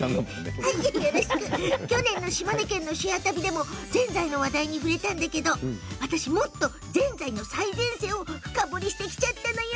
去年の島根県の「シェア旅」でもぜんざいの話題に触れたんだけど私もっと、ぜんざいの最前線を深掘りしてきちゃったのよ。